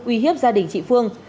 uy hiếp gia đình chị phương